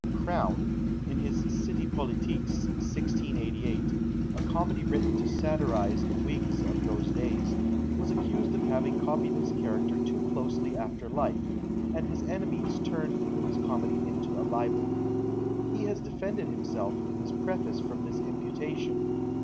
Crown, in his "City Politiques," 1688, a comedy written to satirise the Whigs of those days, was accused of having copied his character too closely after life, and his enemies turned his comedy into a libel. He has defended himself in his preface from this imputation.